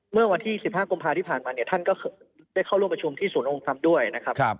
เมื่อวันที่๑๕กุมภาที่ผ่านมาเนี่ยท่านก็ได้เข้าร่วมประชุมที่ศูนยงธรรมด้วยนะครับ